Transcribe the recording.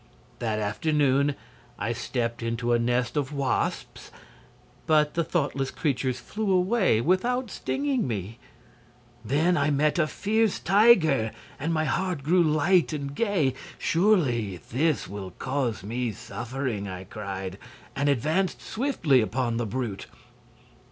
"That afternoon I stepped into a nest of wasps, but the thoughtless creatures flew away without stinging me. Then I met a fierce tiger, and my heart grew light and gay. 'Surely this will cause me suffering!' I cried, and advanced swiftly upon the brute.